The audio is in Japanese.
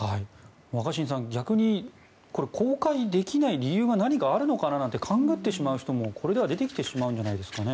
若新さん逆に、公開できない理由が何かあるのかななんて勘繰ってしまう人もこれでは出てきてしまうんじゃないですかね。